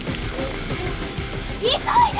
急いで！